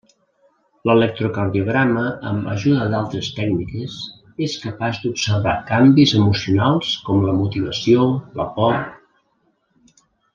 L'electrocardiograma amb ajuda d’altres tècniques és capaç d'observar canvis emocionals com la motivació, la por…